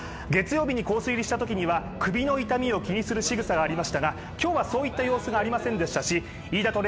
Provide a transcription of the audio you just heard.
月曜日にコース入りしたときには首の痛みを気にするしぐさがありましたが今日はそういった様子がありませんでしたし飯田